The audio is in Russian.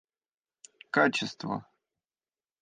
качество